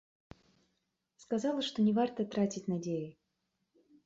Сказала, што не варта траціць надзеі.